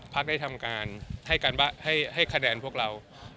พักรุกราชาได้ทำการ